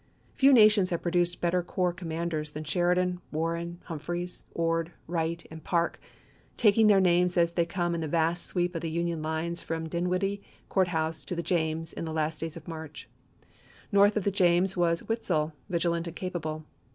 Few nations have produced better corps commanders than Sheridan, Warren, Humphreys, Ord, Wright, and Parke, taking their names as they come in the vast sweep of the Union lines from Dinwiddie Court House to the James in the last days of March ; lses. north of the James was Weitzel, vigilant and capable.